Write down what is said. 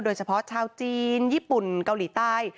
โดยเฉพาะชาวจีนญี่ปุ่นเกาหลีใต้